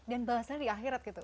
dan balasannya di akhirat gitu